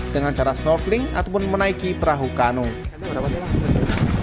dengan cara snorkeling ataupun menaiki perahu kano